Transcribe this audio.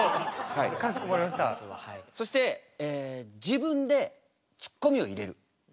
そして自分でツッコミを入れる。